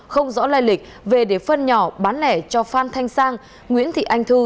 không rõ lai lịch về để phân nhỏ bán lẻ cho phan thanh sang nguyễn thị anh thư